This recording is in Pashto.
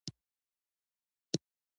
افغانستان کې د جواهرات د پرمختګ هڅې روانې دي.